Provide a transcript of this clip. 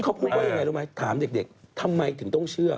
เขาพูดว่ายังไงรู้ไหมถามเด็กทำไมถึงต้องเชื่อ